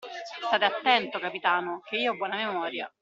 State attento, capitano, che io ho buona memoria!